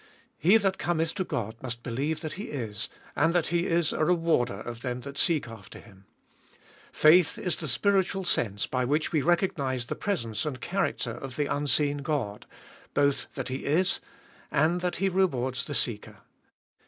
He that cometh to God must believe that He is, and that He is a rewarder of them that seek after Him. Faith is the 430 Cbe iboliest of Sll spiritual sense by which we recognise the presence and character of the unseen God ; both that He is, and that He rewards the seeker.